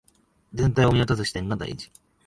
全体を見渡す視点が大事